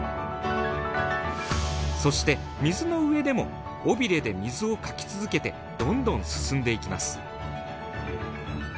そして水の上でも尾びれで水をかき続けてどんどん進んでいきます。